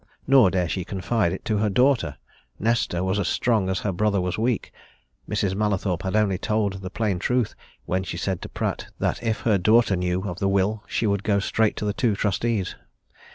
Nor dare she confide it to her daughter Nesta was as strong as her brother was weak: Mrs. Mallathorpe had only told the plain truth when she said to Pratt that if her daughter knew of the will she would go straight to the two trustees.